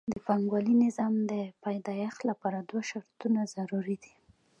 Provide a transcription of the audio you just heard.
د پانګوالي نظام د پیدایښت لپاره دوه شرطونه ضروري دي